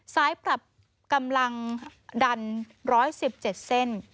ปรับกำลังดัน๑๑๗เส้น